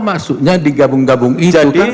maksudnya digabung gabung itu